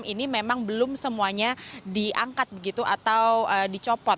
ini memang belum semuanya diangkat begitu atau dicopot